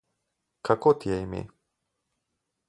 Kako ti je ime?